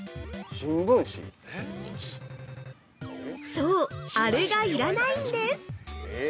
◆そう、あれが要らないんです。